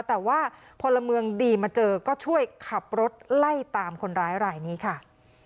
แต่ว่าพลเมืองดีมาเจอก็ช่วยขับรถไล่ตามคนร้ายรายนี้ค่ะ